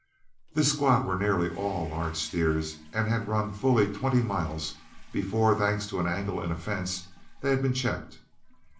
This squad were nearly all large steers, and had run fully twenty miles, before, thanks to an angle in a fence, they had been checked.